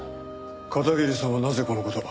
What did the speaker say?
片桐さんはなぜこの事を。